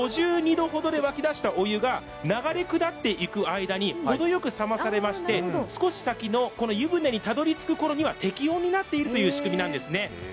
流れ下っていく間に程よく冷まされまして少し先の湯船にたどりつく頃には適温になっているという仕組みなんですね。